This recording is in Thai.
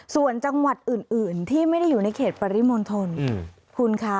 ส่วนจังหวัดอื่นที่ไม่ได้อยู่ในเขตปริมณฑลคุณคะ